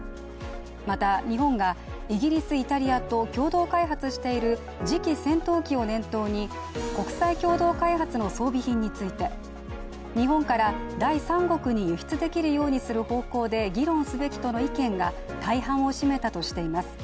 また、日本がイギリス、イタリアと共同開発している次期戦闘機を念頭に、国際共同開発の装備品について日本から第三国に輸出できるようにする方向で議論すべきとの意見が大半を占めたとしています。